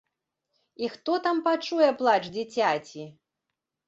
І хто там пачуе плач дзіцяці!